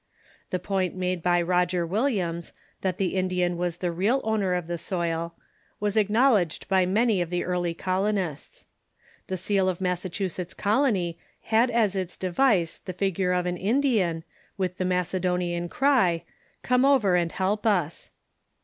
The point made by Roger Williams, that the Indian was the real owner of the soil, was acknowledged by many of the early colonists. The seal of Massachusetts colony had as its device the figure of an Indian, with the Macedonian cry, " Come over and help us."